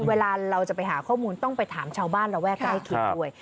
เวลาเราจะไปหาข้อมูลต้องไปถามชาวบ้านระแวกใกล้เคียงด้วย